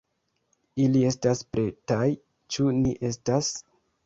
Ili estas pretaj, ĉu ni estas?